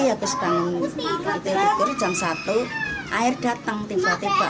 aku setengah tidur jam satu air datang tiba tiba